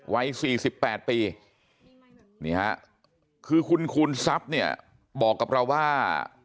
วัย๔๘ปีนี่ฮะคือคุณคูณทรัพย์เนี่ยบอกกับเราว่า